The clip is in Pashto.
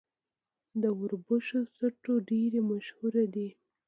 د وربشو سټو ډیر مشهور دی.